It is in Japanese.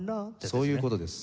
そういう事です。